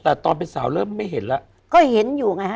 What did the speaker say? แต่ตอนเป็นสาวเริ่มไม่เห็นแล้วก็เห็นอยู่ไงฮะ